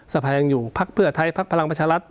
สภายังอยู่พักเพื่อไทยพักพลังประชารัฐ